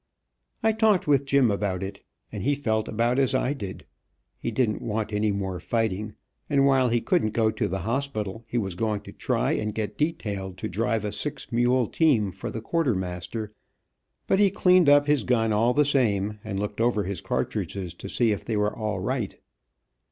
I talked with Jim about it, and he felt about as I did. He didn't want any more fighting, and while he couldn't go to the hospital, he was going to try and get detailed to drive a six mule team for the quartermaster, but he cleaned up his gun all the same, and looked over his cartridges to see if they were all right.